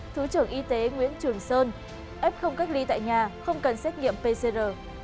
thứ trưởng y tế nguyễn trường sơn f không cách ly tại nhà không cần xét nghiệm pcr